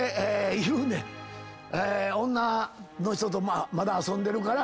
女の人とまだ遊んでるから。